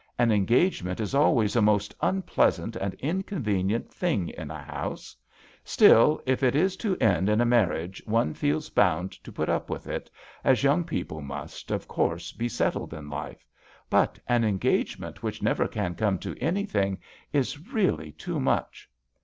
An engagement is always a most unpleasant and inconvenient thing in a house ; still, if it is to THB VIOLIN OBBLIGATO. 83 end in a marriage one feels bound to put up with it, as young people must, of course, be settled in life; but an engagement which never can come to any thing is really too much."